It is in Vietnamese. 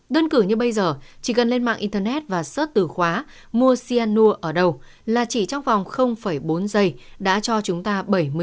đơn cử như bây giờ chỉ cần lên mạng internet và sớt từ khóa mua sianua ở đâu là chỉ trong vòng bốn giây đã cho chúng ta bảy mươi kết quả